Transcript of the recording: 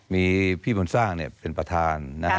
มีพี่บุญสร้างเป็นประธาน